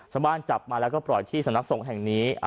ชาวบ้านจับมาแล้วก็ปล่อยที่สนับสงคร์แห่งนี้